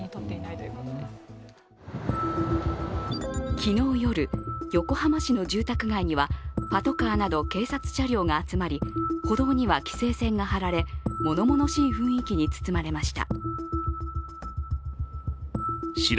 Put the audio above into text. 昨日夜、横浜市の住宅街にはパトカーなど警察車両が集まり歩道には規制線が張られものものしい雰囲気に包まれました。